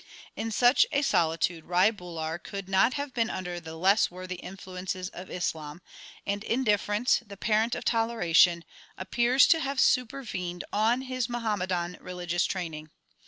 Ixxii THE SIKH RELIGION In such a solitude Rai Bular could not have been under the less worthy influences of Islam ; and indifference, the parent of toleration, appears to have supervened on his Muhammadan religious training.